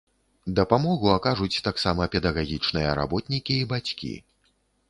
Дапамогу акажуць таксама педагагічныя работнікі і бацькі.